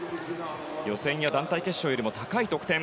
予選や団体決勝よりも高い得点。